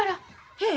へえ。